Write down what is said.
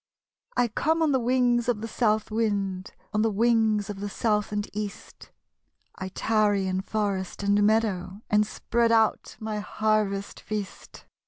1 come on the wings of the South wind; On the wings of the South and East; I tarry in forest and meadow, And spread out my harvest feast.